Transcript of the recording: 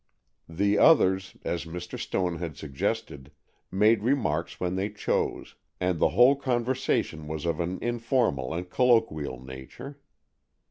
The others, as Mr. Stone had suggested, made remarks when they chose, and the whole conversation was of an informal and colloquial nature.